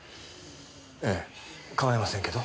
ええ構いませんけど。